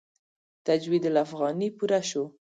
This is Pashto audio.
تجوید الافغاني پوره شو.